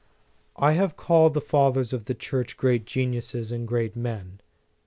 I have called the Fathers of the Church great genuises and great men.